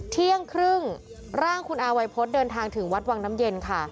เที่ยงครึ่งร่างคุณอาวัยพฤษเดินทางถึงวัดวังน้ำเย็นค่ะ